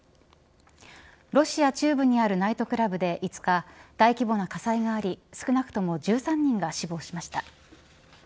ロシア中部にあるナイトクラブで５日大規模な火災があり少なくとも１３人が死亡しました。